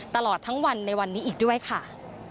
ตลอดทั้งวันในวันนี้อีกด้วยค่ะ